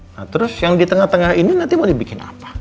nah terus yang di tengah tengah ini nanti mau dibikin apa